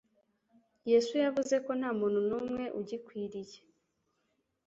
Yesu yavuze ko nta muntu n'umwe ugikwiriye;